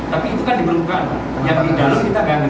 tapi itu kan diperlukan ternyata di dalam kita ganti